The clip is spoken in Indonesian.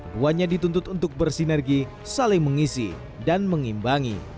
duanya dituntut untuk bersinergi saling mengisi dan mengimbangi